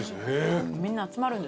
みんな集まるんですね。